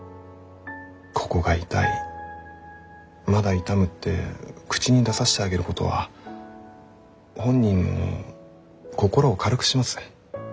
ここが痛いまだ痛むって口に出さしてあげることは本人の心を軽くします。